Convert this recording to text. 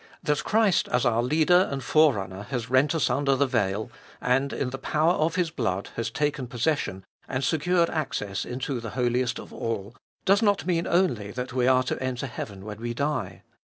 That Christ as our Leader and Forerunner has rent asunder the veil, and in the power of His blood has taken possession and secured access into the Holiest of All, does not mean only that we are to enter heaven when we die.